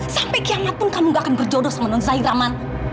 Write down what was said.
sampai kiamat pun kamu gak akan berjodoh sama non zairaman